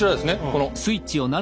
この。